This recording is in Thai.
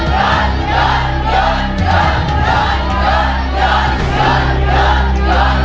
โยนโยนโยนโยน